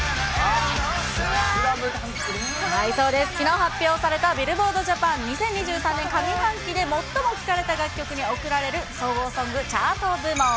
きのう発表されたビルボードジャパン２０２３年上半期で最も聴かれた楽曲に贈られる総合ソング・チャート部門。